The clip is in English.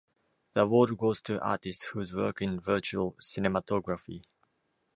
The award goes to artists whose work in virtual cinematography.